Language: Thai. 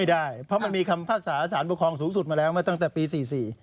ได้เพราะมันมีคำพิพากษาสารปกครองสูงสุดมาแล้วมาตั้งแต่ปีสี่สี่